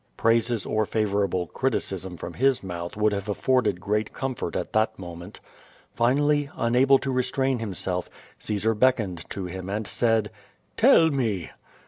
Praises or favorable criticism from his mouth would have afforded great comfort at that moment. Finalh', unable to restrain himself, Caesar beckoned to him and said: "Tell me.''